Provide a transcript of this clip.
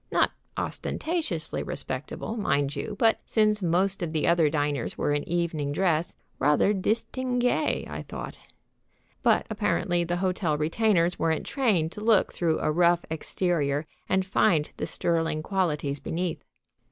Not ostentatiously respectable, mind you, but, since most of the other diners were in evening dress, rather distingué, I thought. But apparently the hotel retainers weren't trained to look through a rough exterior and find the sterling qualities beneath.